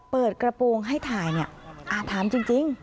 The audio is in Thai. เปิดกระโปรงให้ถ่ายเนี่ยถามจริง